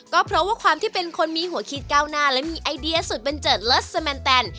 ก็เพราะว่าความที่เป็นคนมีหัวคิดก้าวหน้าและมีไอเดียสุดบันเจิดเลิศสแมนแตน